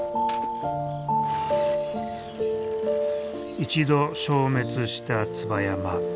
一度消滅した椿山。